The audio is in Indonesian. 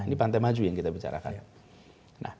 ini pantai maju yang kita bicarakan